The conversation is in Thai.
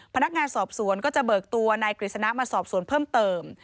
พนักงานสอบสวนก็จะเบิกตัวนายกฤษณะมาสอบสวนเพิ่มเติม